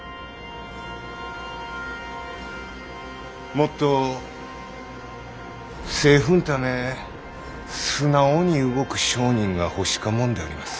もっと政府んため素直に動く商人が欲しかもんであります。